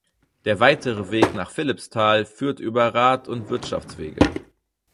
Der weitere Weg nach Philippsthal führt über Rad- und Wirtschaftswege.